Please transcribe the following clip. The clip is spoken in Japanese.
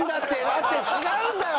だって違うんだよ。